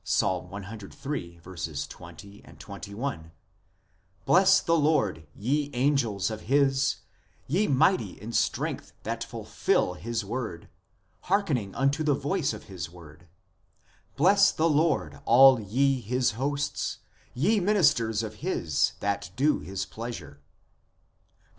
g. Ps. ciii. 20, 21 :" Bless the Lord, ye angels of His, ye mighty in strength that fulfil His word, hearkening unto the voice of His word. Bless the Lord, all ye His hosts ; ye ministers of His that do His pleasure," cp.